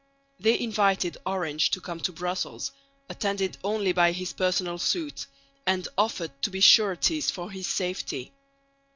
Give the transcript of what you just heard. They invited Orange to come to Brussels attended only by his personal suite, and offered to be sureties for his safety.